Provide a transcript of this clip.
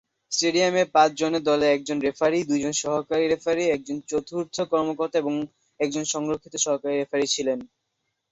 স্টেডিয়ামে পাঁচ জনের দলে একজন রেফারি, দুইজন সহকারী রেফারি, একজন চতুর্থ কর্মকর্তা এবং একজন সংরক্ষিত সহকারী রেফারি ছিলেন।